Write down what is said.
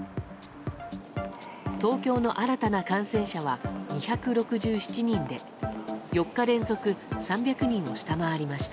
東京の新たな感染者は２６７人で４日連続３００人を下回りました。